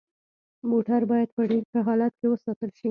موټر باید په ډیر ښه حالت کې وساتل شي